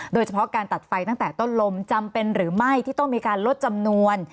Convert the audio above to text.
โดยเฉพาะการตัดไฟตั้งแต่ต้นลมจำเป็นหรือไม่ที่ต้องมีการลดจำนวน